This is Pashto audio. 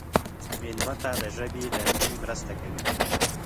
مېلمه ته د ژبې نرمي مرسته کوي.